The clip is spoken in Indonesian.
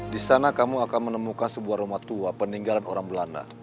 di sana kamu akan menemukan sebuah rumah tua peninggalan orang belanda